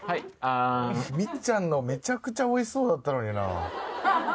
みっちゃんのめちゃくちゃおいしそうだったのにな。